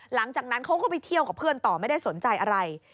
หลังจากนั้นเขาก็ไปเที่ยวกับเพื่อนต่อไม่ได้สนใจอะไร